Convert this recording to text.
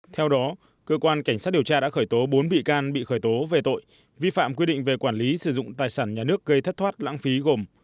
theo đó cơ quan cảnh sát điều tra đã khởi tố bốn bị can bị khởi tố về tội vi phạm quy định về quản lý sử dụng tài sản nhà nước gây thất thoát lãng phí gồm